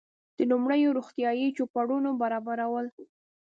د لومړنیو روغتیایي چوپړونو برابرول.